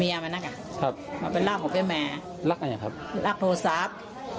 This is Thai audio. นี่แหละครับ